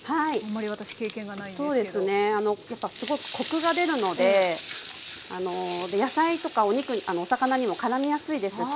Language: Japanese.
そうですねやっぱすごくコクが出るので野菜とかお魚にもからみやすいですし。